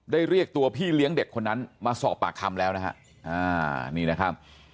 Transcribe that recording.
เรียกตัวพี่เลี้ยงเด็กคนนั้นมาสอบปากคำแล้วนะฮะนี่นะครับ